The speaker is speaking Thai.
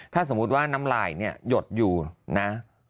ถ้าสมมุติว่าน้ำลายเนี่ยหยดอยู่นะ